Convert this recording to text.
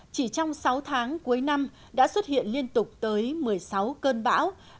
chỉ trong sáu tháng cuối năm đã xuất hiện liên tục tới một mươi sáu cơn bão